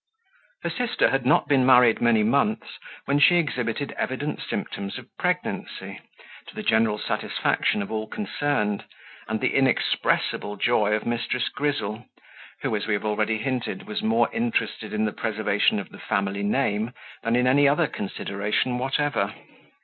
Her sister had not been married many months, when she exhibited evident symptoms of pregnancy, to the general satisfaction of all concerned, and the inexpressible joy of Mrs. Grizzle, who, as we have already hinted, was more interested in the preservation of the family name than in any other consideration whatever.